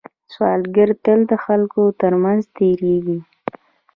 سوالګر تل د خلکو تر منځ تېرېږي